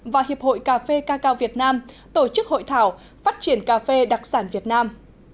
và hiệp hội cà phê cacao việt nam tổ chức hội thảo phát triển cà phê đặc sản việt nam